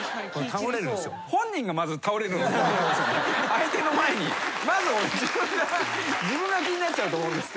相手の前にまず自分が気になっちゃうと思うんです。